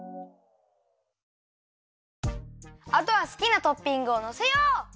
あとはすきなトッピングをのせよう！